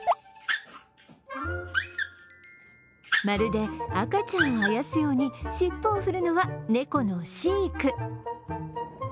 まるで赤ちゃんをあやすように尻尾を振るのは猫のシィク。